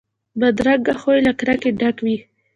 بدرنګه خوی له کرکې ډک وي